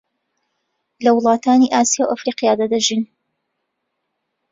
لە وڵاتانی ئاسیا و ئەفریقادا دەژین